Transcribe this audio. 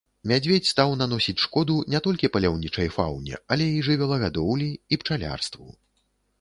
Мядзведзь стаў наносіць шкоду не толькі паляўнічай фауне, але і жывёлагадоўлі, і пчалярству.